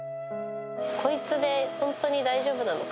こいつで本当に大丈夫なのか？